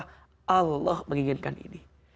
karena allah menginginkan ini